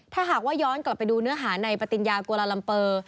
ถ้าหากว่าย้อนกลับไปดูเนื้อหาในปฏิญญาโกลาลัมเปอร์